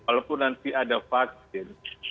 walaupun nanti ada vaksin